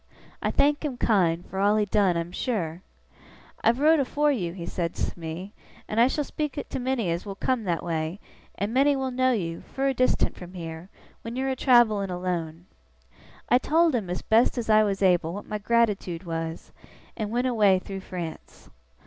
I thank him kind, for all he done, I'm sure! "I've wrote afore you," he says to me, "and I shall speak to many as will come that way, and many will know you, fur distant from here, when you're a travelling alone." I told him, best as I was able, what my gratitoode was, and went away through France.